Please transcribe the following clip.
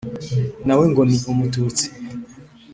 Nawe ngo ni umututsi.